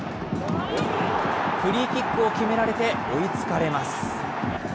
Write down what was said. フリーキックを決められて追いつかれます。